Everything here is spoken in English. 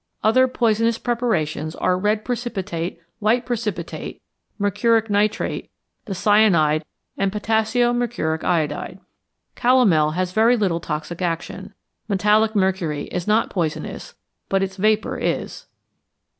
Other poisonous preparations are red precipitate, white precipitate, mercuric nitrate, the cyanide and potassio mercuric iodide. Calomel has very little toxic action. Metallic mercury is not poisonous, but its vapour is.